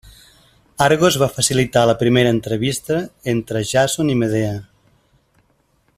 Argos va facilitar la primera entrevista entre Jàson i Medea.